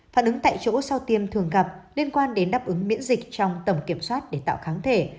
phản ứng tại chỗ sau tiêm thường gặp liên quan đến đáp ứng miễn dịch trong tầm kiểm soát để tạo kháng thể